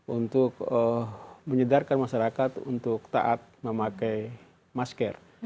untuk menyedarkan masyarakat untuk taat memakai masker